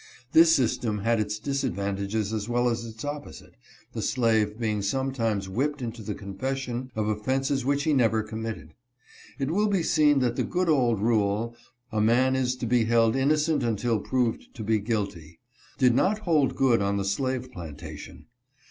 This system had its disadvantages as well as its opposite — the slave being sometimes whipped into the confession of offenses which he never committed. It will be seen that the good old rule, "A man is to be held innocent until proved to be guilty," did not hold good on the slave plantation.